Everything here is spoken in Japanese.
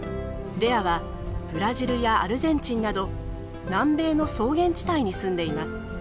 レアはブラジルやアルゼンチンなど南米の草原地帯にすんでいます。